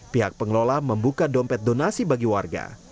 pihak pengelola membuka dompet donasi bagi warga